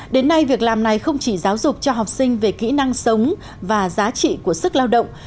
đến nay việc làm này không chỉ giáo dục cho học sinh về kỹ năng sống và giá trị của sức lao động